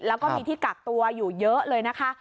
แล้วก็มีที่กักตัวอยู่เยอะเลยนะคะ